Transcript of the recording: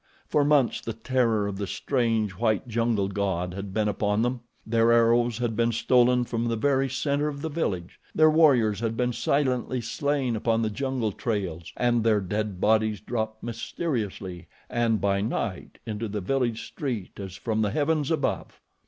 For months the terror of the strange, white, jungle god had been upon them. Their arrows had been stolen from the very center of the village; their warriors had been silently slain upon the jungle trails and their dead bodies dropped mysteriously and by night into the village street as from the heavens above.